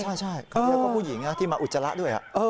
คราวที่แล้วก็ผู้หญิงนะที่มาอุจจาระด้วย